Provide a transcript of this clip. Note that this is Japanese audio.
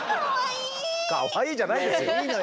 かわいいじゃないですよ。